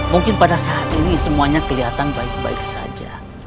mungkin pada saat ini semuanya kelihatan baik baik saja